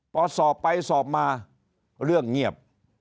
พอสอบไปสอบมาเรื่องเงียบ